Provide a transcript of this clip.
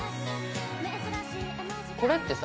これってさ